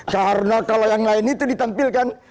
karena kalau yang lain itu ditampilkan